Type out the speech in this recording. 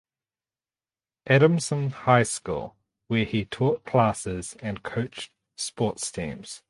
Adamson High School where he taught classes and coached sports teams.